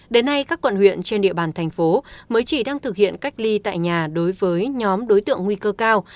đến nay các quận huyện trên địa bàn thành phố mới chỉ đang thực hiện cách ly tại nhà đối với nhóm đối tượng nguy cơ cao